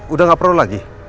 udah gak perlu lagi